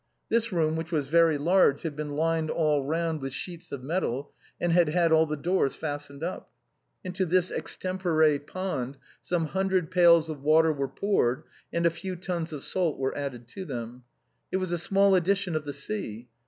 This room, which was very large, had been lined all round with sheets of metal, and had had all the doors fastened up. Into this extempore pond some hun dred pails of water were poured, and a few tons of salt were added to them. It was a small edition of the sea.